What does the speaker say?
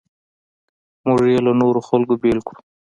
موږ یې له نورو خلکو بېل کړو.